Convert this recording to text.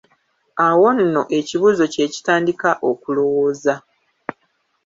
Awo nno ekibuuzo kye kitandika okulowooza.